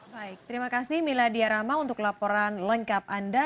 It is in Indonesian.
baik terima kasih miladia rahma untuk laporan lengkap anda